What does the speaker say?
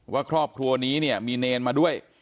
ว่าครอบครัวนี้เนี่ยมีเนรมาด้วย